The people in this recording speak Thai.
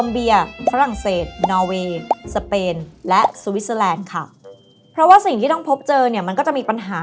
เพราะว่าสิ่งที่ต้องพบเจอเนี่ยมันก็จะมีปัญหา